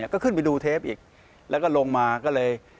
ก็ขึ้นไปดูเทปอีกแล้วก็ลงมาก็เลย